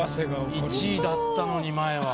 １位だったのに前は。